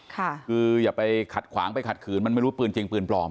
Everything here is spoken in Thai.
คืออย่าไปขัดขวางไปขัดขืนมันไม่รู้ปืนจริงปืนปลอม